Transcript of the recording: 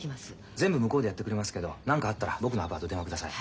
全部向こうでやってくれますけど何かあったら僕のアパートに電話ください。